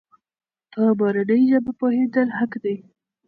په مورنۍ ژبه پوهېدل حق دی.